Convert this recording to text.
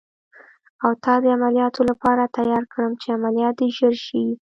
او تا د عملیاتو لپاره تیار کړم، چې عملیات دې ژر شي.